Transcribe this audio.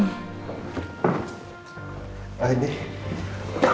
aku bawa asinnya oke syah